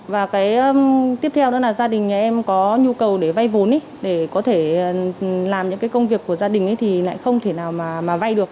và tiếp theo đó là gia đình nhà em có nhu cầu để vay vốn để có thể làm những cái công việc của gia đình thì lại không thể nào mà vay được